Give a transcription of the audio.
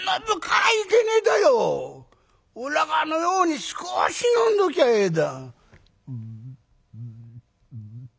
おらがのように少し飲んどきゃええだ」。